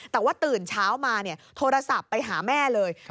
แต่ว่าตื่นเช้ามาโทรศัพท์ไปหาแม่เลย